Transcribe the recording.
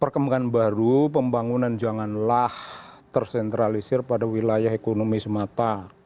perkembangan baru pembangunan janganlah tersentralisir pada wilayah ekonomi semata